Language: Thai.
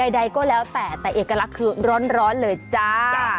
ใดก็แล้วแต่แต่เอกลักษณ์คือร้อนเลยจ้า